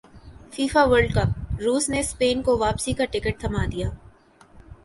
FIFA World cup روس نے Spain کو واپسی کا ٹکٹ تھمادیا